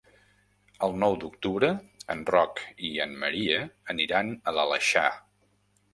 El nou d'octubre en Roc i en Maria aniran a l'Aleixar.